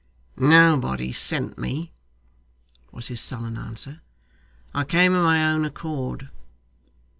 'Nobody sent me,' was his sullen answer. 'I came of my own accord.